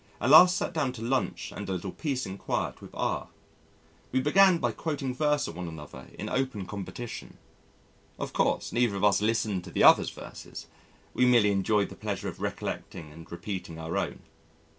at last sat down to lunch and a little peace and quiet with R . We began by quoting verse at one another in open competition. Of course neither of us listened to the other's verses. We merely enjoyed the pleasure of recollecting and repeating our own.